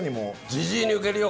じじいにウケるよ